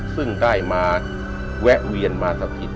ซึ่งได้มาแวะเวียนมาสถิต